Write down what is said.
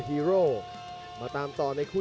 มีความรู้สึกว่า